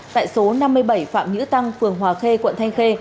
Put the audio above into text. tại số năm mươi bảy phạm nghĩa tăng phường hòa khê quận thanh khê